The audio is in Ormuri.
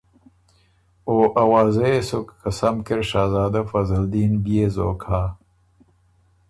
او اوازۀ يې سُک که سم کی ر شهزادۀ فضل دین بيې زوک هۀ۔